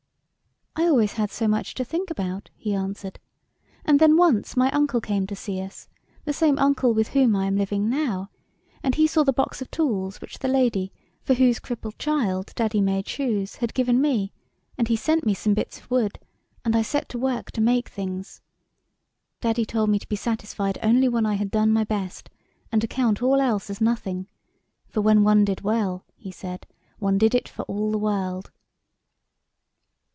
"I always had so much to think about," he answered ; "and then once my uncle came to see us, the same uncle with whom I am living now, and he saw the box of tools which the lady, for whose crippled child Daddy made shoes, had given me, and he sent me some bits of wood, and I set to work to make things. Daddy told me to be satisfied only when I had done my best, and to count all else as nothing, ' for when one did well,' he said, ' one did it for all the world.'"